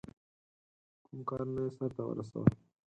کوم کارونه یې سرته ورسول.